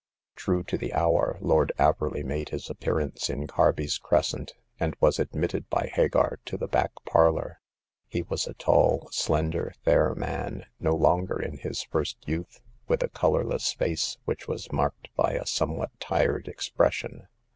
True to the hour, Lord Averley made his ap pearance in Carby's Crescent, and was admitted by Hagar to the back parlor. He was a tall, slender, fair man, no longer in his first youth, with a colorless face, which was marked by a somewhat tired expression.